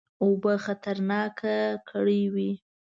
اوبه خطرناکه کړي وې.